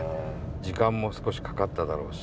時間も少しかかっただろうし。